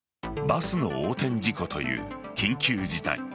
バスの横転事故という緊急事態。